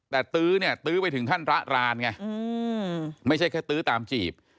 แต่ตื้อเนี่ยตื้อไปถึงขั้นระรานไงไม่ใช่แค่ตื้อตามจีบ